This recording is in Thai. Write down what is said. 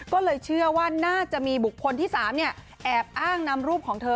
ก็เลยเชื่อว่าน่าจะมีบุคคลที่๓แอบอ้างนำรูปของเธอ